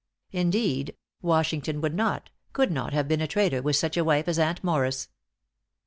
"Indeed, Washington would not, could not have been a traitor with such a wife as Aunt Morris."